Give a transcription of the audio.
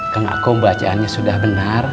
kan aku bacaannya sudah benar